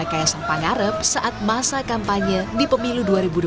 kaisang pangarep saat masa kampanye di pemilu dua ribu dua puluh